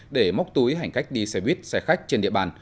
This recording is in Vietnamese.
để móc túi hành khách đi xe buýt xe khách trên địa bàn